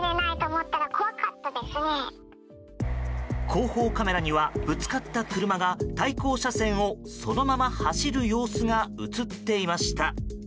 後方カメラにはぶつかった車が対向車線をそのまま走る様子が映っていました。